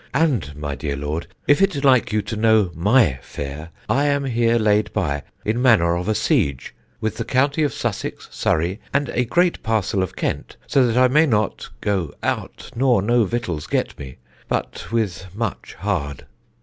And, my dear Lord, if it like you to know my fare, I am here laid by in manner of a siege with the county of Sussex, Surrey, and a great parcel of Kent, so that I may not [go] out nor no victuals get me, but with much hard.